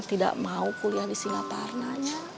tidak mau kuliah di singaparna